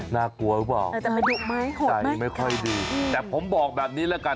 น่ากลัวหรือเปล่าใจไม่ค่อยดีแต่ผมบอกแบบนี้แล้วกัน